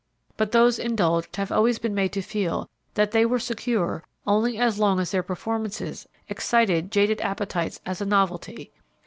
But those indulged have always been made to feel that they were secure only as long as their performances excited jaded appetites as a novelty.